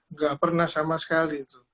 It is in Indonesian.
nggak pernah sama sekali